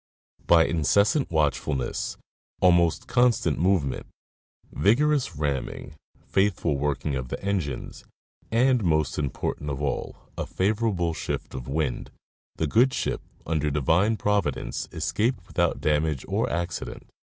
By incessant watchfulness, almost constant movement, vigorous ramming, faithful working of the engines, and (most important of all) a favorable shift of wind, the good ship, under Divine Providence, escaped without damage or accident.